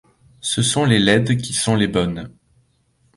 Ce sont les laides qui sont les bonnes.